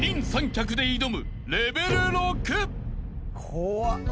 怖っ。